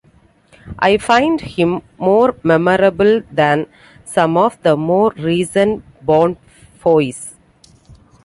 I find him more memorable than some of the more recent Bond foes ...